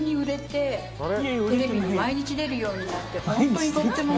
テレビに毎日出るようになって。